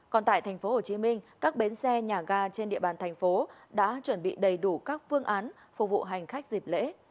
còn tại tp hcm các bến xe nhà ga trên địa bàn thành phố đã chuẩn bị đầy đủ các phương án phục vụ hành khách dịp lễ